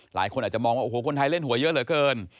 หลายคนอาจจะมองว่าโอ้โหคนไทยเล่นหวยเยอะเหลือเกิน